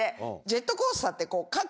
ジェットコースターって。